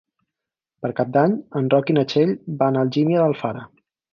Per Cap d'Any en Roc i na Txell van a Algímia d'Alfara.